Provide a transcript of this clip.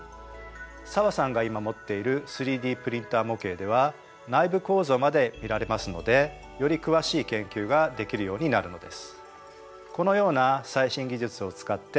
紗和さんが今持っている３Ｄプリンター模型では内部構造まで見られますのでより詳しい研究ができるようになるのです。